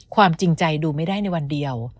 ความจริงใจดูไม่ได้ในวันเดียว